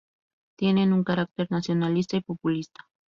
Tenía un carácter nacionalista y populista.